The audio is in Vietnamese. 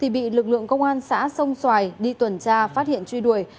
bị lực lượng công an xã sông xoài đi tuần tra phát hiện truy đuổi